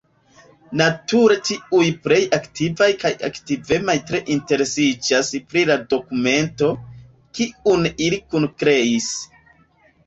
Nature tiuj plej aktivaj kaj aktivemaj tre interesiĝas pri la dokumento, kiun ili kunkreis.